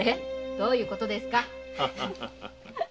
どういうことですか。